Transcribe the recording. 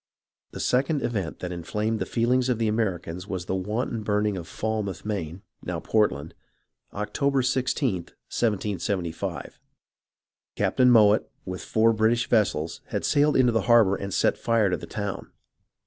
The second event that inflamed the feelings of the Americans was the wanton burning of Falmouth, Maine (now Portland), October i6th, 1775. Captain Mowatt with four British vessels had sailed into the harbour and set fire to the town.